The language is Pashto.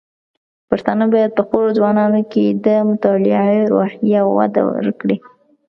پښتانه بايد په خپلو ځوانانو کې د مطالعې روحيه وده ورکړي.